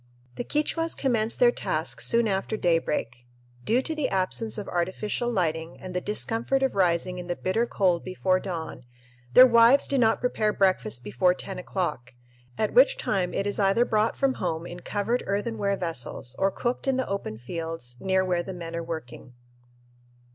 The Quichuas commence their task soon after daybreak. Due to the absence of artificial lighting and the discomfort of rising in the bitter cold before dawn, their wives do not prepare breakfast before ten o'clock, at which time it is either brought from home in covered earthenware vessels or cooked in the open fields near where the men are working.